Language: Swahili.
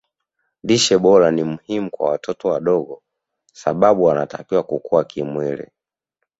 lishe bora ni muhimu kwa watoto wadogo sababu wanatakiwa kukua kimwili